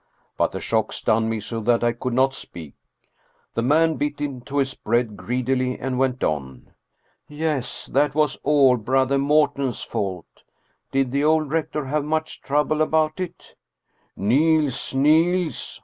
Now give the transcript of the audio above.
But the shock stunned me so that I could not speak. The man bit into his bread greedily and went on. " Yes, that was all Brother Morten's fault. Did the old rector have much trouble about it?" " Niels ! Niels